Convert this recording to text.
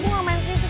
gua ga main fisik